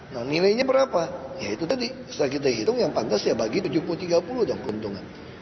nah nilainya berapa ya itu tadi setelah kita hitung yang pantas ya bagi tujuh puluh tiga puluh dong keuntungan